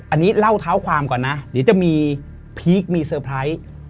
อันนี้เล่าเท้าความก่อนนะเดี๋ยวจะมีพีคมีเซอร์ไพรส์